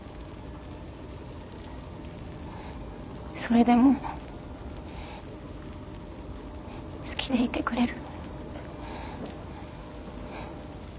それでも好きでいてくれる？